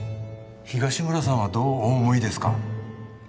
東村さんはどうお思いですか？